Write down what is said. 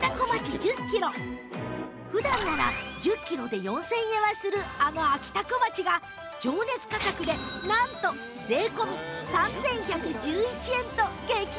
普段なら１０キロで４０００円はするあのあきたこまちが情熱価格でなんと税込３１１１円と激安に！